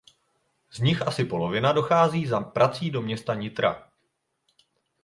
Z nich asi polovina dochází za prací do města Nitra.